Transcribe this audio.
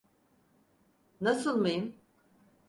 Nasıl mıyım?